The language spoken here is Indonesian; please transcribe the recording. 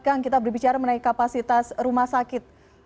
kang kita berbicara menaik kapasitas rumah sakit